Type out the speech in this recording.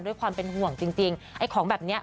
ด้วยความเป็นห่วงจริงไอ้ของแบบนี้